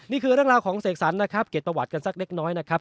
นี่คือนักลาของเสกสรรเกร็ดประวัตรกันสักเล็กน้อยนะครับ